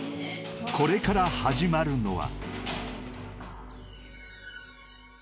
［これから始まるのは］